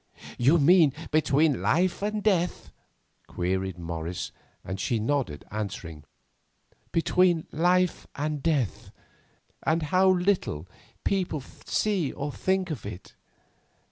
"You mean between life and death?" queried Morris, and she nodded, answering: "Between life and death, and how little people see or think of it.